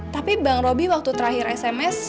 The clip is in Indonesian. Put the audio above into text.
tapi bang roby waktu terakhir sms